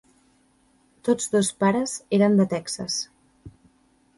Tots dos pares eren de Texas.